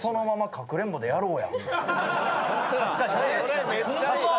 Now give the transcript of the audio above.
それめっちゃいい。